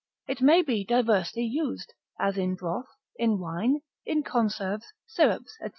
It may be diversely used; as in broth, in wine, in conserves, syrups, &c.